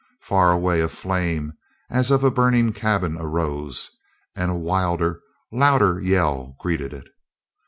Far away a flame, as of a burning cabin, arose, and a wilder, louder yell greeted it.